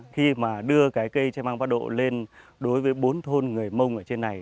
khi mà đưa cái cây tre mang bắt độ lên đối với bốn thôn người mông ở trên này